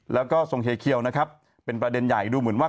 แล้วก็ทรงเฮเคียวนะครับเป็นประเด็นใหญ่ดูเหมือนว่า